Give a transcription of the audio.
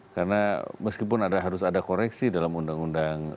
karena meskipun harus ada koreksi dalam undang undang